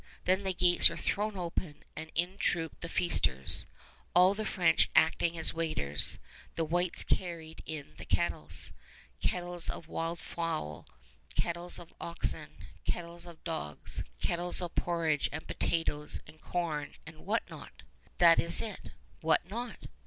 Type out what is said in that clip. Then the gates were thrown open, and in trooped the feasters. All the French acting as waiters, the whites carried in the kettles kettles of wild fowl, kettles of oxen, kettles of dogs, kettles of porridge and potatoes and corn and what not? That is it what not?